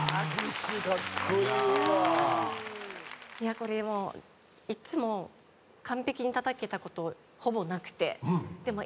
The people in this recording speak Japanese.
これもういっつも完璧にたたけたことほぼなくてでも今。